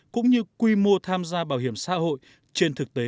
cũng như quy mô tham gia bảo hiểm xã hội trên thực tế